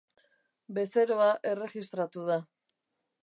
Bezeroa erregistratu da.